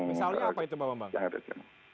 misalnya apa itu pak